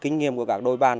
kinh nghiệm của các đội bàn